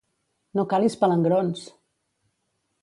No calis palangrons!